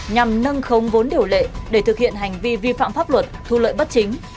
nhằm nâng không vốn điều lệ để thực hiện hành vi vi phạm pháp luật thu lợi bất chính